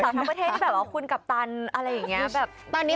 ทั้งประเทศที่แบบว่าคุณกัปตันอะไรอย่างนี้